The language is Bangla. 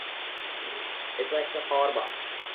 এটা একটা পাওয়ার বাম্প।